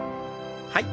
はい。